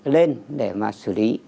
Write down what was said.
lên để mà xử lý